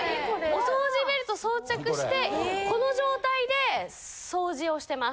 お掃除ベルト装着してこの状態で掃除をしてます。